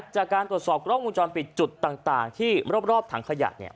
จากการตรวจสอบกล้องวงจรปิดจุดต่างที่รอบถังขยะ